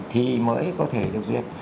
thì mới có thể được duyệt